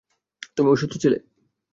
তুমি অসুস্থ ছিলে?